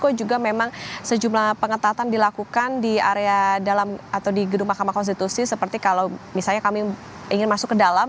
juga memang sejumlah pengetatan dilakukan di area dalam atau di gedung mahkamah konstitusi seperti kalau misalnya kami ingin masuk ke dalam